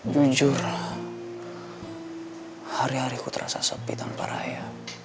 jujurlah hari hari ku terasa sepi tanpa raya